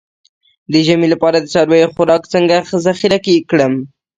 د ژمي لپاره د څارویو خوراک څنګه ذخیره کړم؟